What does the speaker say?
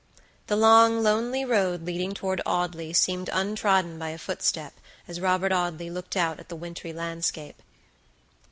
The long, lonely road leading toward Audley seemed untrodden by a footstep, as Robert Audley looked out at the wintry landscape.